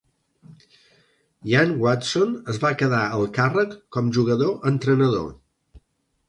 Ian Watson es va quedar al càrrec com jugador-entrenador.